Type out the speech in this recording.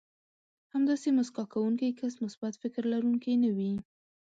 همداسې مسکا کوونکی کس مثبت فکر لرونکی نه وي.